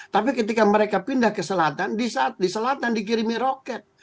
tapi ketika mereka pindah ke selatan di selatan dikirimi roket